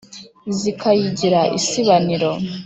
zikayigira isibaniro !